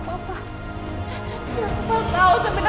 aku bakal bilang semua ini sama papa